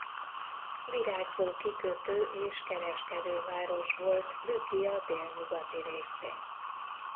Virágzó kikötő és kereskedőváros volt Lükia délnyugati részén.